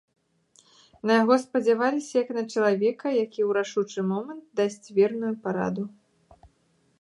На яго спадзяваліся як на чалавека, які ў рашучы момант дасць верную параду.